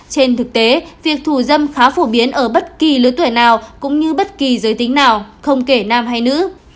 trên thực tế việc thù dâm khá phổ biến ở bất kỳ lứa tuổi nào cũng như bất kỳ giới tính nào không kể nam hay nữ